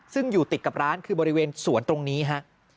ซึ่งอยู่ติดกับร้านคือบริเวณสวนตรงนี้ฮะ